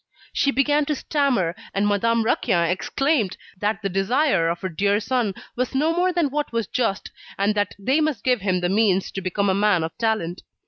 She began to stammer, and Madame Raquin exclaimed that the desire of her dear son was no more than what was just, and that they must give him the means to become a man of talent.